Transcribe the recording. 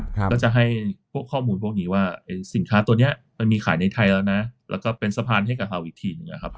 ก็จะให้พวกข้อมูลพวกนี้ว่าสินค้าตัวนี้มันมีขายในไทยแล้วนะแล้วก็เป็นสะพานให้กับเราอีกทีหนึ่งนะครับ